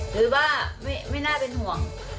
หรือว่าไม่น่าเป็นห่วง